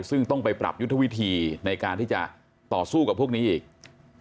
ซึ่งต้องไปปรับยุทธวิธีในการที่จะต่อสู้กับพวกนี้อีก